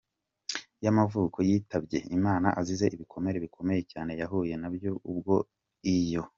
yamavuko, yitabye Imana azize ibikomere bikomeye cyane yahuye nabyo ubwo iyi.